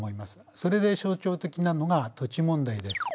それで象徴的なのが土地問題です。